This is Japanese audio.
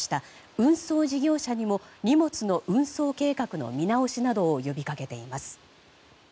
運送事業者にも荷物の運送計画の見直しなどを呼び掛けています。